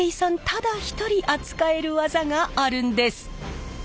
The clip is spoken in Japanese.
ただ一人扱える技があるんです。